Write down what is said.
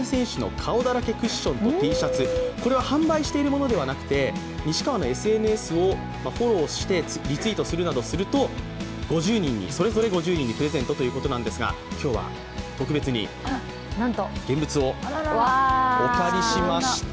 これは販売しているものではなくて、西川のＳＮＳをフォローしてリツイートするなどするとそれぞれ５０人にプレゼントということですが、今日は特別に現物をお借りしました。